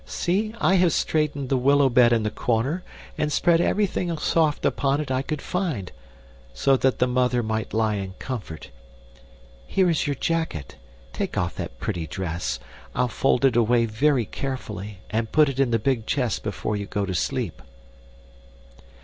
See, I have straightened the willow bed in the corner, and spread everything soft upon it I could find, so that the mother might lie in comfort. Here is your jacket. Take off that pretty dress. I'll fold it away very carefully and put it in the big chest before you go to sleep."